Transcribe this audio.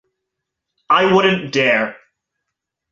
I wouldn’t dare.